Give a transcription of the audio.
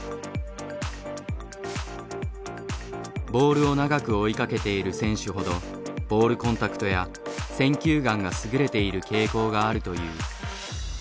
ボールを長く追いかけている選手ほどボールコンタクトや選球眼が優れている傾向があるという。